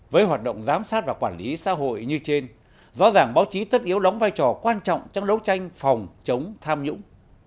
với hoạt động giám sát và quản lý xã hội như trên rõ ràng báo chí tất yếu đóng vai trò quan trọng trong đấu tranh phòng chống tham nhũng